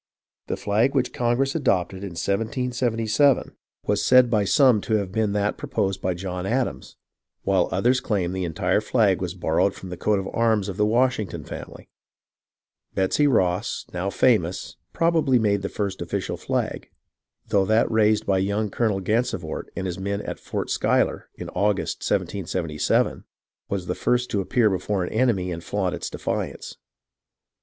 The flag which Congress adopted in 1777 was said by 226 HISTORY OF THE AMERICAN REVOLUTION some to have been that proposed by John Adams, while others claim that the entire flag was borrowed from the coat of arms of the Washington family. Betsey Ross, now famous, probably made the first official flag, though that raised by young Colonel Gansevoort and his men at Fort Schuyler, in August, 1777, was the first to appear before an enemy and flaunt its defiance.